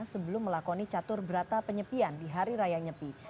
sebelum melakoni catur berata penyepian di hari raya nyepi